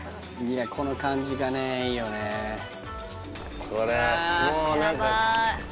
いやこの感じがねいいよねうわっ！